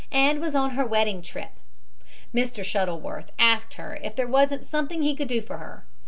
and was on her wedding trip. Mr. Shuttleworth asked her if there wasn't something he could do for her.